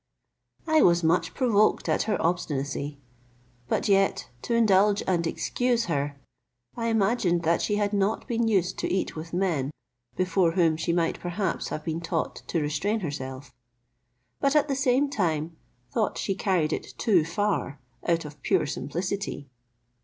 I was much provoked at her obstinacy; but yet, to indulge and excuse her, I imagined that she had not been used to eat with men, before whom she might perhaps have been taught to restrain herself; but at the same time thought she carried it too far out of pure simplicity.